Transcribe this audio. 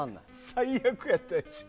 最悪やったでしょう。